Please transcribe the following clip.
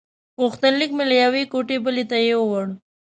غوښتنلیک مې له یوې کوټې بلې ته یووړ.